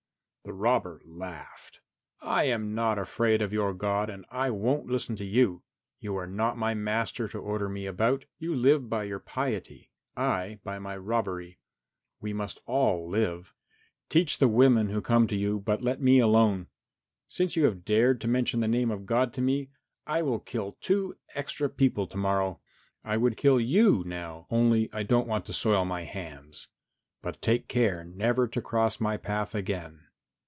The robber laughed. "I am not afraid of your God and I won't listen to you. You are not my master to order me about. You live by your piety, I by my robbery. We must all live. Teach the women who come to you, but let me alone. Since you have dared to mention the name of God to me I will kill two extra people to morrow. I would kill you now, only I don't want to soil my hands, but take care never to cross my path again."